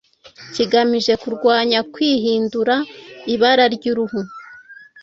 kigamije kurwanya kwihindura ibara ry'uruhu.